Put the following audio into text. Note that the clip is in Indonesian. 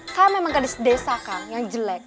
saya memang gadis desa kang yang jelek